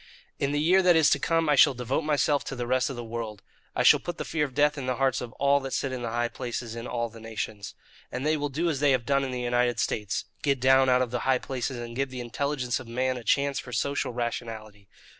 "In the year that is to come I shall devote myself to the rest of the world. I shall put the fear of death in the hearts of all that sit in the high places in all the nations. And they will do as they have done in the United States get down out of the high places and give the intelligence of man a chance for social rationality.